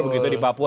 begitu di papua